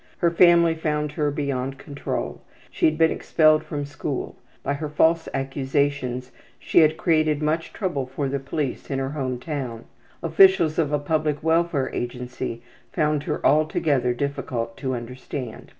Her family found her beyond control; she had been expelled from school; by her false accusations she had created much trouble for the police in her home town; officials of a public welfare agency found her altogether difficult to understand.